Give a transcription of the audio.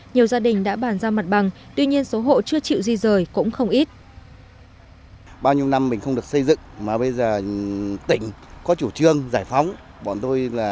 nhiều gia đình đã bàn ra mặt bằng tuy nhiên số hộ chưa chịu di rời cũng không ít